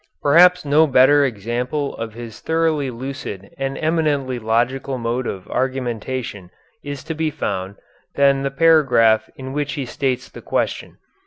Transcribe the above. Perhaps no better example of his thoroughly lucid and eminently logical mode of argumentation is to be found than the paragraph in which he states the question.